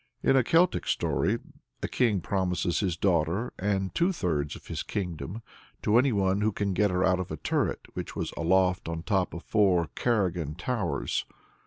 In a Celtic story, a king promises his daughter, and two thirds of his kingdom, to anyone who can get her out of a turret which "was aloft, on the top of four carraghan towers."